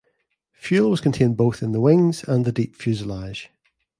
Fuel was contained both in the wings and the deep fuselage.